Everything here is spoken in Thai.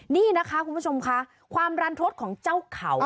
นี่นะคะคุณผู้ชมค่ะความรันทศของเจ้าเขา